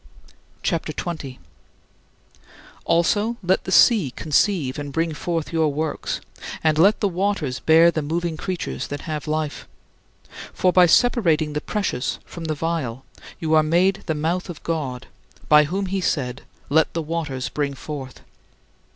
CHAPTER XX 26. Also let the sea conceive and bring forth your works, and let the waters bear the moving creatures that have life. For by separating the precious from the vile you are made the mouth of God by whom he said, "Let the waters bring forth."